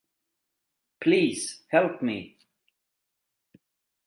Please help me!